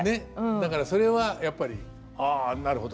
だからそれはやっぱり「ああなるほど。